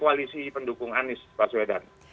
koalisi pendukung anis pak suedan